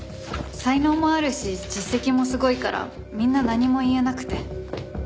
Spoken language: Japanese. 才能もあるし実績もすごいからみんな何も言えなくて。